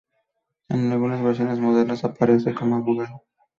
En algunas versiones modernas aparece como abogado.